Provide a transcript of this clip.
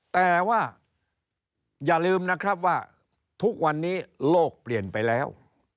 แต่ว่าอย่าลืมนะครับว่าทุกวันนี้โลกเปลี่ยนไปแล้ว